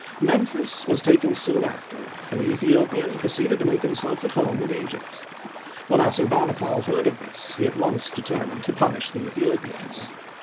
Memphis was taken soon after, and the Aethi opian proceeded to make himself at home in Egypt. When Assurbanipal heard of this, he at once determined to punish the Aethiopians.